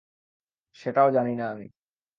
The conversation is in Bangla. সেটাও জানি না আমি!